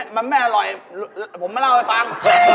มันไม่อร่อยผมมาเล่าให้ฟัง